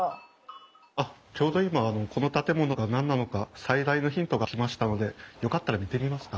あっちょうど今この建物が何なのか最大のヒントが来ましたのでよかったら見てみますか？